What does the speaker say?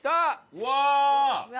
うわ！